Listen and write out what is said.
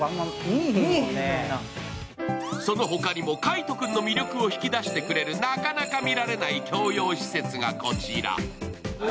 そのほかにも、海音君の魅力を引き出してくれるなかなか見られない共用施設がこちら。